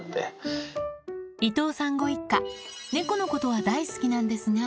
伊藤さんご一家、猫のことは大好きなんですが。